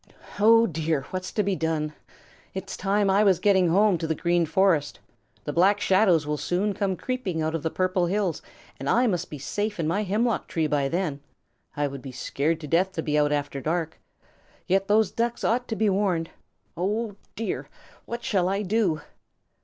Oh, dear, what's to be done? It is time I was getting home to the Green Forest. The Black Shadows will soon come creeping out from the Purple Hills, and I must be safe in my hemlock tree by then. I would be scared to death to be out after dark. Yet those Ducks ought to be warned. Oh, dear, what shall I do?"